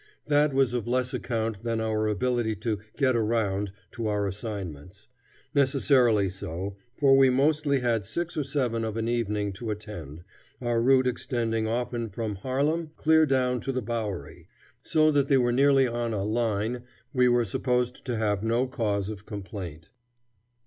That was of less account than our ability to "get around" to our assignments; necessarily so, for we mostly had six or seven of an evening to attend, our route extending often from Harlem clear down to the Bowery. So that they were nearly "on a line," we were supposed to have no cause of complaint.